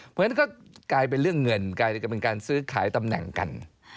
เพราะฉะนั้นก็กลายเป็นเรื่องเงินกลายเป็นการซื้อขายตำแหน่งกัน